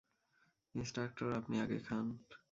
Instructor, আপনি আগে খান।